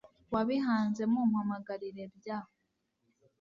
wabihanze mumpamagarire bya